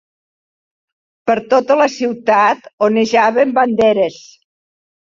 Per tota la ciutat onejaven banderes